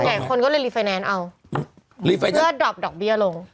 ส่วนใหญ่คนก็เลยรีไฟแนนซ์เอารีไฟแนนซ์เพื่อดรอบดอกเบี้ยลง